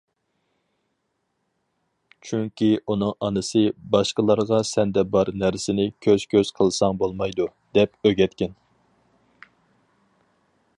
چۈنكى ئۇنىڭ ئانىسى« باشقىلارغا سەندە بار نەرسىنى كۆز- كۆز قىلساڭ بولمايدۇ.» دەپ ئۆگەتكەن.